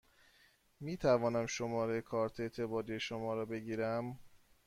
می توانم شماره کارت اعتباری شما را بگیرم؟